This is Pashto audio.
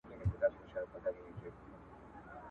زموږ په مخکي ورځي شپې دي سفرونه ..